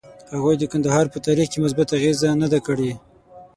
هغوی د کندهار په تاریخ کې مثبته اغیزه نه ده کړې.